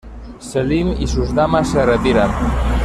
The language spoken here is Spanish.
Selim y sus damas se retiran.